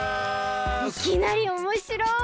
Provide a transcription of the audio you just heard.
いきなりおもしろい！